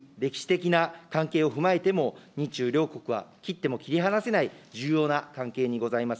また、文化的、社会的、歴史的な関係を踏まえても、日中両国は切っても切り離せない重要な関係にございます。